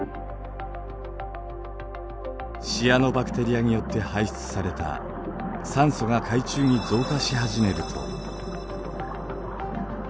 シアノバクテリアによって排出された酸素が海中に増加し始めると。